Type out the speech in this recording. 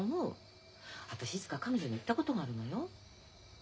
私いつか彼女に言ったことがあるのよ。